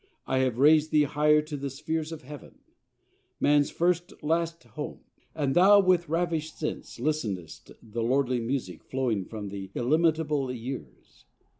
I have rais'd thee higher to the Spheres of Heaven, Man's first, last home: and thou with ravish'd sense Listenest the lordly music flowing from Th' illimitable years.